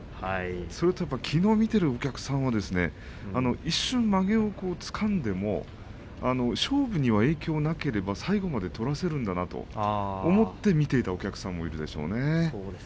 それと、やっぱり見ているお客さんが一瞬まげをつかんでも勝負には影響なければ最後まで取らせるんだなと思って見ていたお客さんもいるでしょうね。